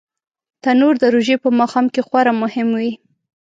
تنور د روژې په ماښام کې خورا مهم وي